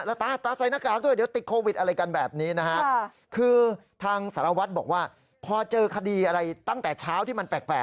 แล้วตาตาใส่หน้ากากด้วยเดี๋ยวติดโควิดอะไรกันแบบนี้นะครับ